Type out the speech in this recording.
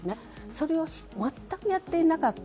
それを全くやっていなかった。